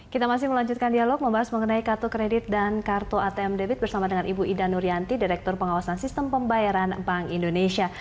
kita masih melanjutkan dialog membahas mengenai kartu kredit dan kartu atm debit bersama dengan ibu ida nurianti direktur pengawasan sistem pembayaran bank indonesia